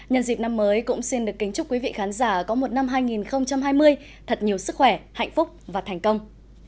nhân dịp năm mới cũng xin được kính chúc quý vị khán giả có một năm hai nghìn hai mươi thật nhiều sức khỏe hạnh phúc và thành công thân ái chào tạm biệt